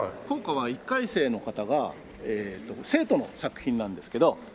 校歌は１回生の方が生徒の作品なんですけど。